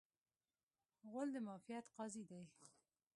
غول د معافیت قاضي دی.